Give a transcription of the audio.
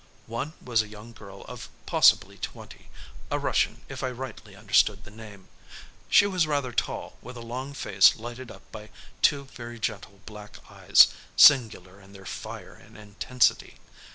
One was a young girl of possibly twenty a Russian if I rightly understood the name. She was rather tall, with a long face lighted up by two very gentle black eyes, singular in their fire and intensity.